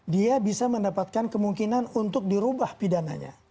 dia bisa mendapatkan kemungkinan untuk dirubah pidananya